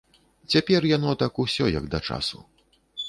Цяпер яно так усё як да часу.